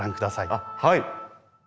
あっはい！